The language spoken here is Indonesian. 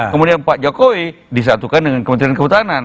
kemudian pak jokowi disatukan dengan kementerian kehutanan